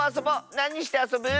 なにしてあそぶ？